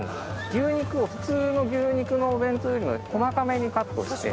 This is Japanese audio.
牛肉を普通の牛肉のお弁当よりも細かめにカットして。